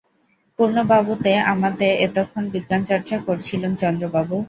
পূর্ণবাবুতে আমাতে এতক্ষণ বিজ্ঞানচর্চা করছিলুম চন্দ্রবাবু!